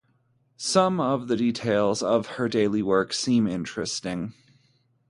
Some of the details of her daily work seem interesting.